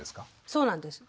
そうなんです。